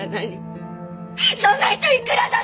そんな人いくらだっている！